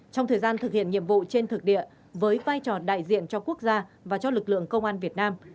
trong thời gian thực hiện nhiệm vụ trên thực địa với vai trò đại diện cho quốc gia và cho lực lượng công an việt nam